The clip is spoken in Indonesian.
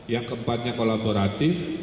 yang keempatnya kolaboratif